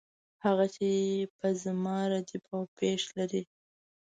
هغه چې په زما ردیف او پیښ لري.